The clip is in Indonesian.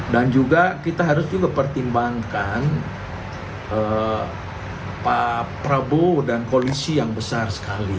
dan juga kita harus juga pertimbangkan pak prabowo dan koalisi yang besar sekali